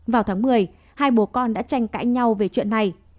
vào tháng một mươi hai bố con đã tranh cãi nhau về chuyện này